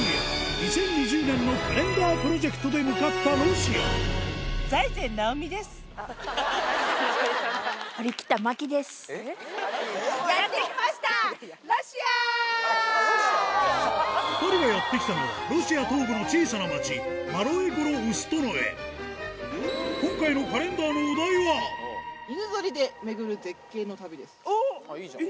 ２０２０年のカレンダープロジェクトで向かったロシア２人がやって来たのは今回のおっ！